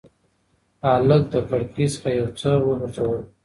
هلک له کړکۍ څخه یو څه وغورځول.